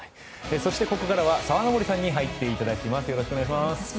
そして、ここからは澤登さんに入っていただきます。